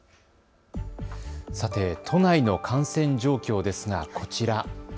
さて、都内の感染状況ですがこちら。